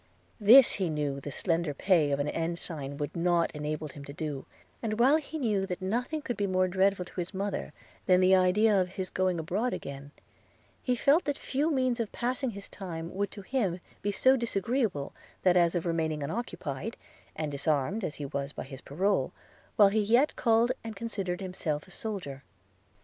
This he knew the slender pay of an ensign would not enable him to do; and, while he knew that nothing could be more dreadful to his mother than the idea of his going abroad again, he felt that few means of passing his time would to him be so disagreeable as that of remaining unoccupied, and disarmed as he was by his parole, while he yet called and considered himself a soldier.